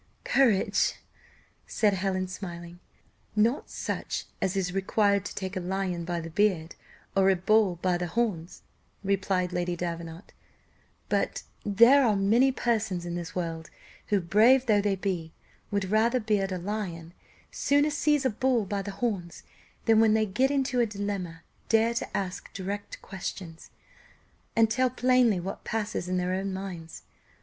"Courage!" said Helen, smiling. "Not such as is required to take a lion by the beard, or a bull by the horns," replied Lady Davenant; "but there are many persons in this world who, brave though they be, would rather beard a lion, sooner seize a bull by the horns, than, when they get into a dilemma, dare to ask a direct question, and tell plainly what passes in their own minds.